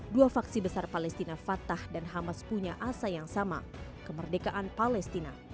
dua faksi besar palestina fatah dan hamas punya asa yang sama kemerdekaan palestina